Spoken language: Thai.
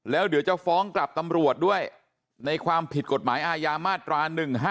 แล้วเดี๋ยวจะฟ้องกลับตำรวจด้วยในความผิดกฎหมายอาญามาตรา๑๕